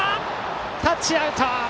タッチアウト！